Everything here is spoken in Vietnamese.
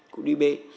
cụ đi b